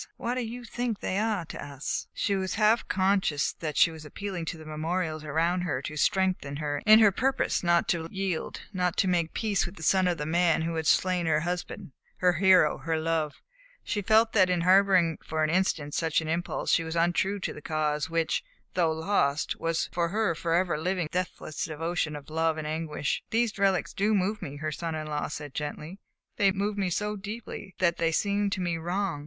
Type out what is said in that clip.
What do you think they are to us?" She was half conscious that she was appealing to the memorials around her to strengthen her in her purpose not to yield, not to make peace with the son of the man who had slain her husband, her hero, her love; she felt that in harboring for an instant such an impulse she was untrue to the Cause which, though lost, was for her forever living with the deathless devotion of love and anguish. "These relics do move me," her son in law said gently. "They move me so deeply that they seem to me wrong.